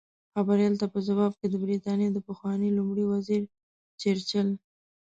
خبریال ته په ځواب کې د بریتانیا د پخواني لومړي وزیر چرچل